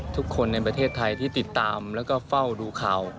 ทุกคนในประเทศไทยที่ติดตามแล้วก็เฝ้าดูข่าว